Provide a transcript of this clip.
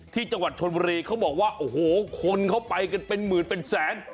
ที่จังหวัดชนบุรีเขาบอกว่าโอ้โหคนเขาไปกันเป็นหมื่นเป็นแสน